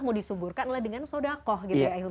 mau disuburkan adalah dengan sodakoh gitu ya ahilman